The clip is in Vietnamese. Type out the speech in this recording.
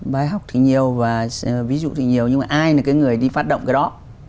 bài học thì nhiều và ví dụ thì nhiều nhưng mà ai là cái người đi phát động cái đó